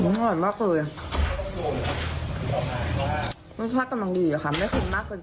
น้อยมากเลยมันชอบก็มองดีแล้วคะไม่ไม่มากเกินต่อ